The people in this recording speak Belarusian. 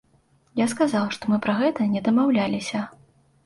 Я сказаў, што мы пра гэта не дамаўляліся.